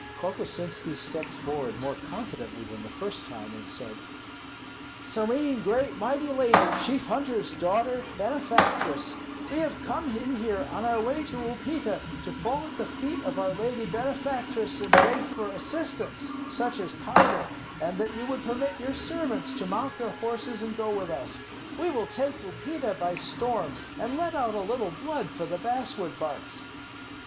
Kokosinski stepped forward more confidently than the first time, and said, "Serene great mighty lady, chief hunter's daughter, benefactress; we have come in here on our way to Upita to fall at the feet of our lady benefactress and beg for assistance, such as powder, and that you would permit your servants to mount their horses and go with us. We will take Upita by storm, and let out a little blood for the basswood barks."